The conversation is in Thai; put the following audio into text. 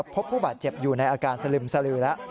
พบผู้บาดเจ็บอยู่ในอาการสลึมสลือแล้ว